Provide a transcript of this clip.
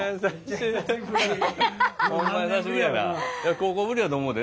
高校ぶりやと思うで。